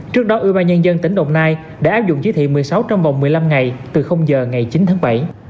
trước đó ưu bài nhân dân tỉnh đồng nai đã áp dụng giới thiệu một mươi sáu trong vòng một mươi năm ngày từ giờ ngày chín tháng bảy